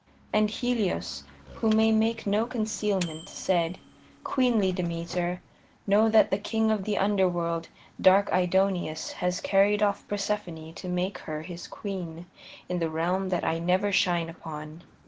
And Helios, who may make no concealment, said: "Queenly Demeter, know that the king of the Underworld, dark Aidoneus, has carried off Persephone to make her his queen in the realm that I never shine upon."